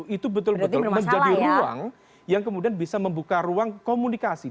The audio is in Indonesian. itu betul betul menjadi ruang yang kemudian bisa membuka ruang komunikasi